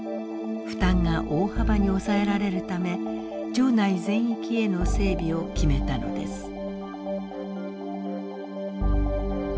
負担が大幅に抑えられるため町内全域への整備を決めたのです。